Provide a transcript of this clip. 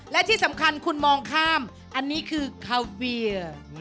และที่สำคัญคุณมองข้ามอันนี้คือคาเบียร์